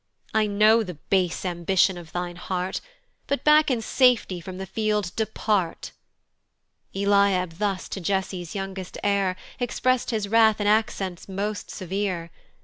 "I know the base ambition of thine heart, "But back in safety from the field depart." Eliab thus to Jesse's youngest heir, Express'd his wrath in accents most severe.